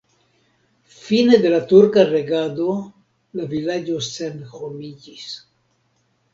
Fine de la turka regado la vilaĝo senhomiĝis.